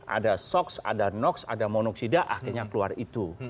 ada sox ada nox ada monoksida akhirnya keluar itu